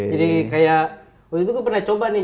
jadi kayak waktu itu gue pernah coba nih